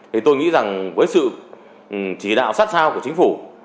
thì tôi nghĩ rằng với sự chỉ đạo sát sao của chính phủ